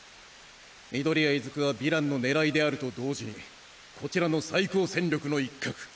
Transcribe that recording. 緑谷出久はヴィランの狙いであると同時にこちらの最高戦力の一角！